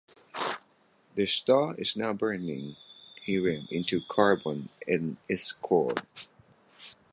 The star is now burning helium into carbon in its core.